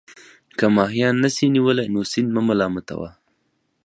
که ماهيان نسې نيولى، نو سيند مه ملامت وه.